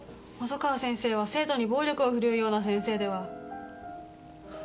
細川先生は生徒に暴力を振るうような先生では。